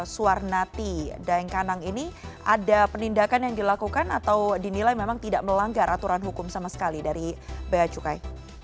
suarnati daeng kanang ini ada penindakan yang dilakukan atau dinilai memang tidak melanggar aturan hukum sama sekali dari bea cukai